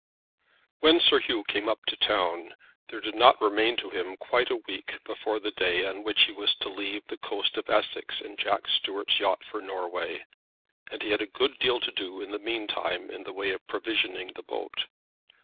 When Sir Hugh came up to town there did not remain to him quite a week before the day on which he was to leave the coast of Essex in Jack Stuart's yacht for Norway, and he had a good deal to do in the meantime in the way of provisioning the boat.